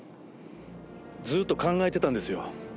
ずっと考えてたんですよ。